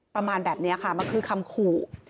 ประมาณแบบนี้ค่ะมันคือคำขู่